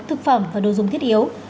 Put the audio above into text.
thực phẩm và đồ dùng thiết yếu